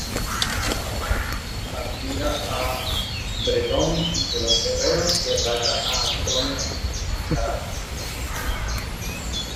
Admira a Bretón de los Herreros y ataca a Antonio Gil y Zárate.